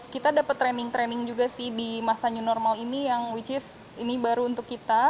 kita dapat training training juga sih di masa new normal ini yang which is ini baru untuk kita